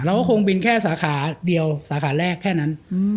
เราก็คงบินแค่สาขาเดียวสาขาแรกแค่นั้น